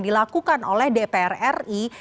dilakukan oleh dpr ri